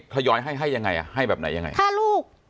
ทยอยให้ให้ยังไงให้แบบไหนยังไงฆ่าลูก